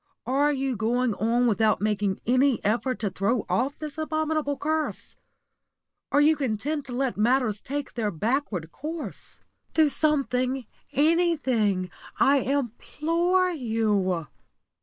Are you going on without making any effort to throw off this abominable curse? Are you content to let matters take their backward course? Do something anything, I implore you.